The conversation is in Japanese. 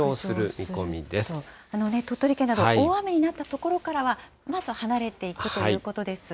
見込鳥取県など、大雨になった所からはまず離れていくということですが。